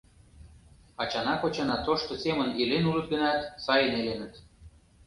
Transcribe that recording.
Ачана-кочана тошто семын илен улыт гынат, сайын иленыт...